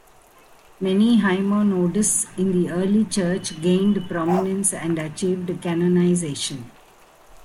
Many hymnodists in the early Church gained prominence and achieved canonisation.